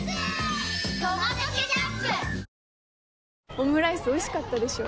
オムライスおいしかったでしょ